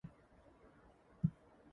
Her father was an Ayurvedic doctor.